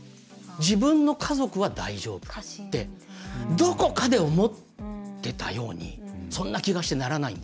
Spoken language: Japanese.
自分の家族は大丈夫ってどこかで思ってたようにそんな気がしてならないんですね。